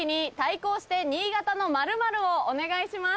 をお願いします。